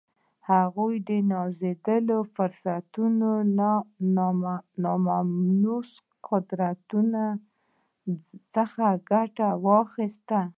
هغوی د نازېږېدلو فرصتونو له ناملموسو قدرتونو څخه ګټه واخیسته